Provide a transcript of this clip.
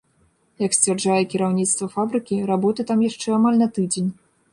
Як сцвярджае кіраўніцтва фабрыкі, работы там яшчэ амаль на тыдзень.